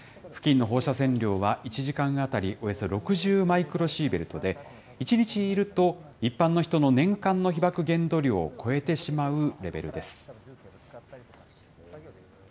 付近の放射線量は、１時間当たりおよそ６０マイクロシーベルトで、１日いると、一般の人の年間の被ばく限度量を超えてしまうレベルです。